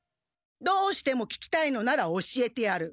どうしても聞きたいのなら教えてやる。